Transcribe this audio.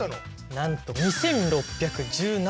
なんと２，６１７。